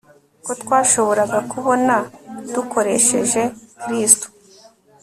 Ko twashoboraga kubona dukoresheje kristu